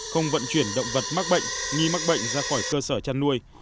không vận chuyển động vật mắc bệnh nghi mắc bệnh ra khỏi cơ sở chăn nuôi